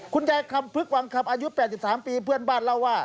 คำพึกวังคำอายุ๘๓ปีเพื่อนบ้านเล่าว่า